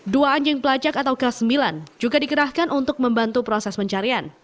dua anjing pelacak atau k sembilan juga dikerahkan untuk membantu proses pencarian